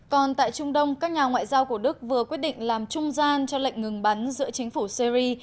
còn tại trung đông các nhà ngoại giao của đức vừa quyết định làm trung gian cho lệnh ngừng bắn giữa chính phủ syri